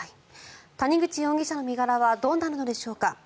谷口容疑者の身柄はどうなるのでしょうか。